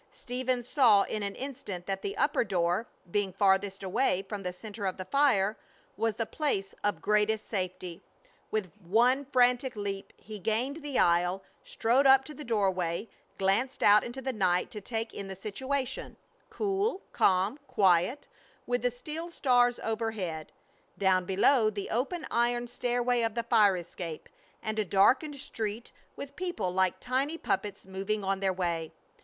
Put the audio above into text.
Stephen saw in an instant that the upper door, being farthest away from the center of the fire, was the place of greatest safety. With one frantic leap he gained the aisle, strode up to the doorway, glanced out into the night to take in the situation; cool, calm, quiet, with the still stars overhead, down below the open iron stairway of the fire escape, and a darkened street with people like tiny puppets moving on their way.